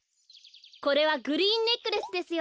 これはグリーンネックレスですよ。